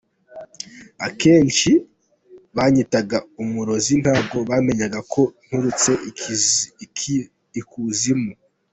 Akenshi banyitaga umurozi ntago bamenyaga ko nturutse ikuzimu.